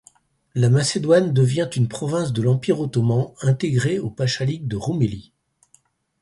La Macédoine devient une province de l’Empire ottoman intégrée au pachalik de Roumélie.